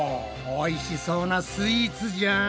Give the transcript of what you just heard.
おいしそうなスイーツじゃん！